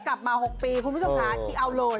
กลับมา๖ปีคุณผู้ชมค่ะที่เอาเลย